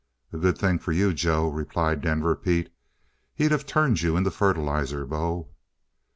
"A good thing for you, Joe," replied Denver Pete. "He'd of turned you into fertilizer, bo!"